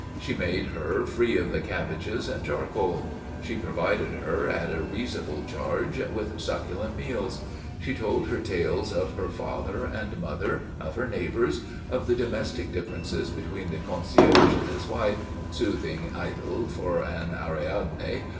She made her free of the cabbages and charcoal. She provided her, at a risible charge, with succulent meals. She told her tales of her father and mother, of her neighbours, of the domestic differences between the concierge and his wife (soothing idyll for an Ariadne!)